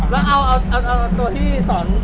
แล้วเอาตัวที่สอน